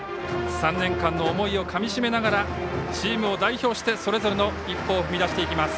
３年間の思いをかみしめながらチームを代表してそれぞれの一歩を踏み出していきます。